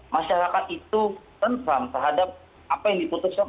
masyarakat itu terfam terhadap apa yang diputuskan